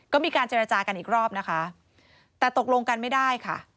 ก็มีการเจรจากันอีกรอบนะคะแต่ตกลงกันไม่ได้ค่ะ